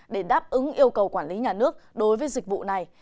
để đáp ứng yêu cầu quản lý nhà nước đối với dịch vụ này